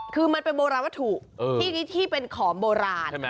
คือมันเป็นโบราณวัตถุที่นี้ที่เป็นของโบราณ